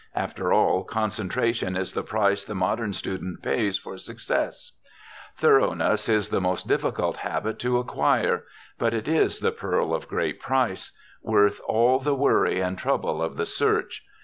After all, concentration is the price the modern student pays for success. Thoroughness is the most difficult habit to acquire, but it is the pearl of great price, worth all the worry and trouble of the search.